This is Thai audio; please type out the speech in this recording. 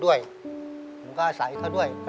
แต่ที่แม่ก็รักลูกมากทั้งสองคน